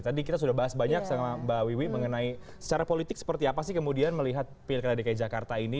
tadi kita sudah bahas banyak sama mba wi wi mengenai secara politik seperti apa sih kemudian melihat pilklar radikal jakarta ini